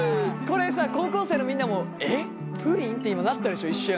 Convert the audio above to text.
これさ高校生のみんなもえプリン？って今なったでしょ一瞬。